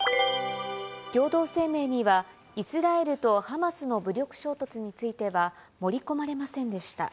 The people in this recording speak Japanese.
共同声明にはイスラエルとハマスの武力衝突については盛り込まれませんでした。